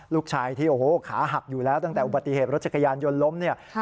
ลูกชายที่โอ้โหขาหักอยู่แล้วตั้งแต่อุบัติเหตุรถจักรยานยนต์ล้มเนี่ย